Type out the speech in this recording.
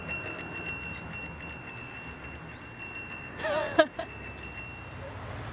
ハハハ！